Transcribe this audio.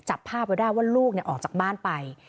จับภาพไว้ได้ว่าลูกออกจากบ้านไป